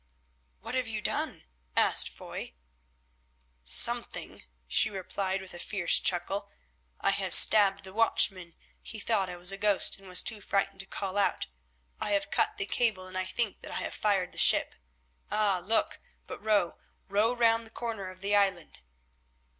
"What have you done?" asked Foy. "Something," she replied with a fierce chuckle. "I have stabbed the watchman—he thought I was a ghost, and was too frightened to call out. I have cut the cable, and I think that I have fired the ship. Ah! look! but row—row round the corner of the island."